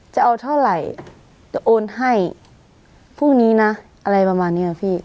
จะเอาเท่าไหร่จะโอนให้พรุ่งนี้นะอะไรประมาณนี้นะพี่